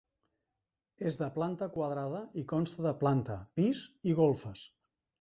És de planta quadrada i consta de planta, pis i golfes.